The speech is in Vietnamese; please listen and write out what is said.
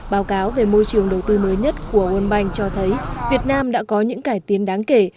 báo cáo về môi trường đầu tư mới nhất của world bank cho thấy việt nam đã có những cải tiến đáng kể